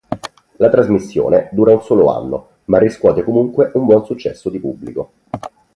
La trasmissione dura un solo anno, ma riscuote comunque un buon successo di pubblico.